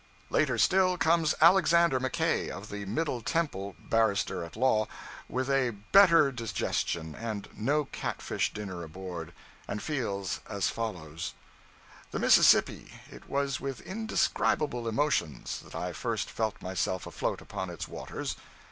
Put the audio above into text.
Later still comes Alexander Mackay, of the Middle Temple, Barrister at Law, with a better digestion, and no catfish dinner aboard, and feels as follows 'The Mississippi! It was with indescribable emotions that I first felt myself afloat upon its waters.